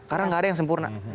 karena enggak ada yang sempurna